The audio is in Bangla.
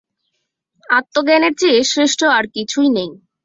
আত্মজ্ঞানের চেয়ে শ্রেষ্ঠ আর কিছুই নেই।